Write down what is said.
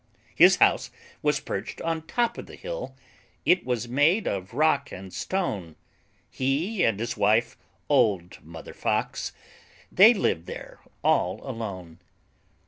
His house was perched on top of the hill, It was made of rock and stone; He and his wife, old Mother Fox, They lived there all alone.